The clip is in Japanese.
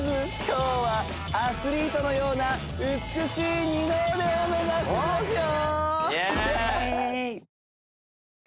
今日はアスリートのような美しい二の腕を目指しますよ